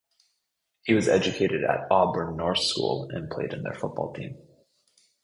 He was educated at Auburn North School and played in their football team.